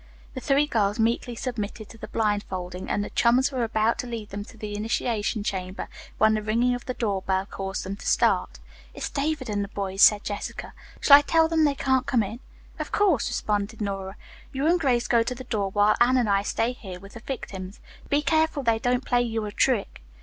The three girls meekly submitted to the blindfolding, and the chums were about to lead them to the initiation chamber, when the ringing of the door bell caused them to start. "It's David and the boys," said Jessica. "Shall I tell them that they can't come in?" "Of course," responded Nora. "You and Grace go to the door, while Anne and I stay here with our victims. Be careful they don't play you a trick."